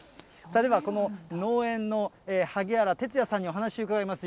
では、この農園の萩原哲哉さんにお話を伺います。